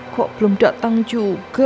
kok belum datang juga